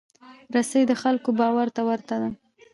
رسۍ د خلکو باور ته ورته ده.